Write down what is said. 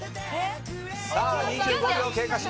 さあ、２５秒経過。